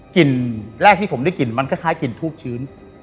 กลิ่นแรกที่ผมได้กลิ่นมันคล้ายกลิ่นทูบชื้น